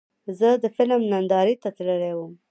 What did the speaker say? زه د فلم نندارې ته تللی وم.